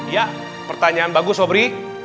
iya pertanyaan bagus sobri